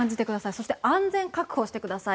そして安全確保をしてください。